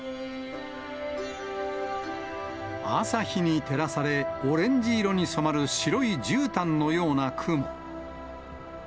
朝日に照らされ、オレンジ色に染まる白いじゅうたんのような雲。